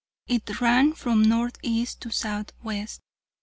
It ran from north east to southwest.